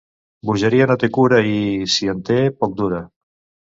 Bogeria no té cura i, si en té, poc dura.